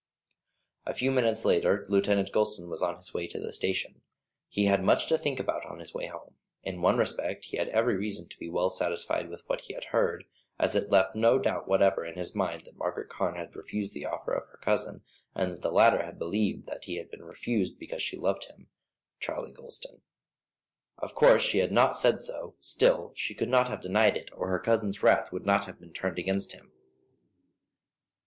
A few minutes later Lieutenant Gulston was on his way to the station. He had much to think about on his way home. In one respect he had every reason to be well satisfied with what he had heard, as it had left no doubt whatever in his mind that Margaret Carne had refused the offer of her cousin, and that the latter had believed that he had been refused because she loved him Charlie Gulston. Of course she had not said so; still she could not have denied it, or her cousin's wrath would not have been turned against him.